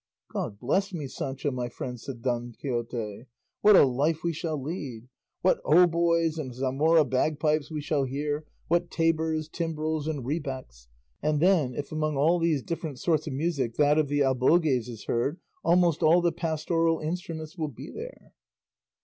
"God bless me, Sancho my friend!" said Don Quixote, "what a life we shall lead! What hautboys and Zamora bagpipes we shall hear, what tabors, timbrels, and rebecks! And then if among all these different sorts of music that of the albogues is heard, almost all the pastoral instruments will be there."